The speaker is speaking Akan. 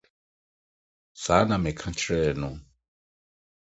Saa na meka kyerɛɛ no.